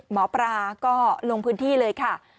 หมอปลาก็ลงพื้นที่เลยค่ะ